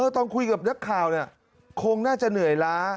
ตอนคุยกับนักข่าวคงน่าจะเหนื่อยล้า